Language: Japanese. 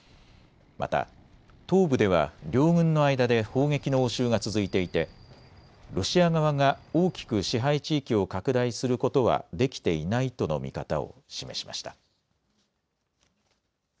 また東部では両軍の間で砲撃の応酬が続いていてロシア側が大きく支配地域を拡大することはできていないとの見方を示しました。